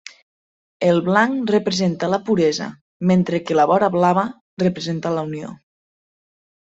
El blanc representa la puresa, mentre que la vora blava representa la Unió.